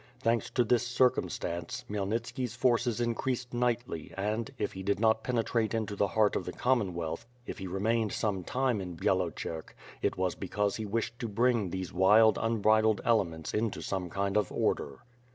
Thanks to this circumstance, Khmyelnitski's forces increased mightily and, if he did not penetrate into the heart of the Commonwealth; if he remained some time in Byalocerk, it 318 WITH FIRE AND SWORD. 31$ was because he wished to bring these wild unbridled elements into some kind of order.